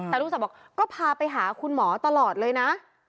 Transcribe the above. แต่ลูกสาวบอกก็พาไปหาคุณหมอตลอดเลยนะ